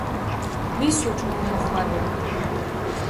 მის უჩქჷ, მუ მოხვადუნ.